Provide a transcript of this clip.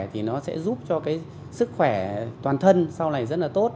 thì nó sẽ giúp cho cái sức khỏe toàn thân sau này rất là tốt